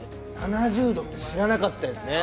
◆７０度って知らなかったですね。